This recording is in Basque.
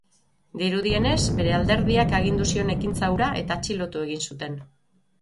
Dirudienez, bere alderdiak agindu zion ekintza hura eta atxilotu egin zuten.